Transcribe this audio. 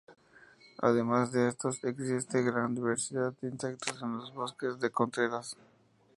Además de estos, existe gran diversidad de insectos en los bosques de Contreras.